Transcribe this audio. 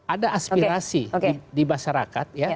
ada aspirasi di masyarakat